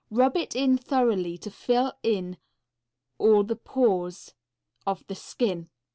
Rub it in thoroughly to fill all the pores of the skin.